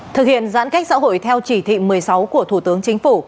thực hiện giãn cách xã hội theo chỉ thị một mươi sáu của thủ tướng chính phủ